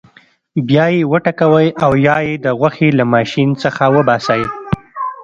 بیا یې وټکوئ او یا یې د غوښې له ماشین څخه وباسئ.